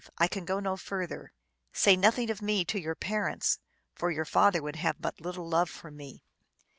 I can go no further. Say nothing of me to your parents, for your father would have but little love for me."